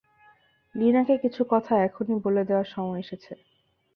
লীনাকে কিছু কথা এখনি বলে দেয়ার সময় এসেছে।